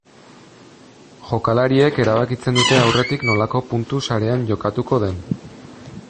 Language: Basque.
Jokalariek erabakitzen dute aurretik nolako puntu sarean jokatuko den.